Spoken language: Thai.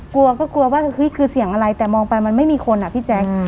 กลัวก็กลัวว่าเฮ้ยคือเสียงอะไรแต่มองไปมันไม่มีคนอ่ะพี่แจ๊ค